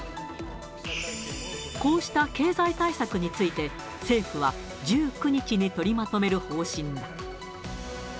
こうした経済対策について、政府は１９日に取りまとめる方針だ。